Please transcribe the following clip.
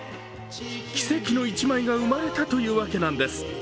奇跡の１枚が生まれたというわけなんです。